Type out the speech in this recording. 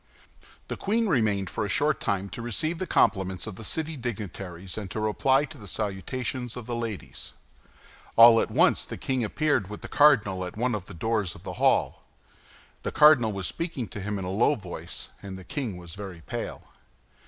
The queen remained for a short time to receive the compliments of the city dignitaries and to reply to the salutations of the ladies. All at once the king appeared with the cardinal at one of the doors of the hall. The cardinal was speaking to him in a low voice, and the king was very pale.